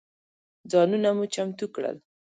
ځانونه مو چمتو کړل.